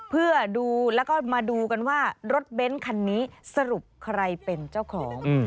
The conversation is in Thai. เพื่อดูแล้วก็มาดูกันว่ารถเบ้นคันนี้สรุปใครเป็นเจ้าของ